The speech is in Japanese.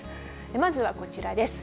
まずはこちらです。